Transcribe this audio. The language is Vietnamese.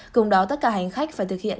cùng đó tất cả hành khách phải thực hiện